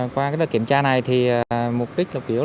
qua cái đợt kiểm tra này thì mục đích